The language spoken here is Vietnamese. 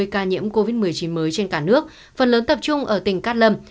bốn bảy trăm bảy mươi ca nhiễm covid một mươi chín mới trên cả nước phần lớn tập trung ở tỉnh cát lâm